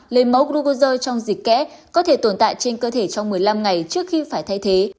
lấy mẫu grugozer trong dịch kẽ có thể tồn tại trên cơ thể trong một mươi năm ngày trước khi phải thay thế